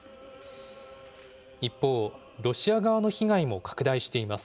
一方、ロシア側の被害も拡大しています。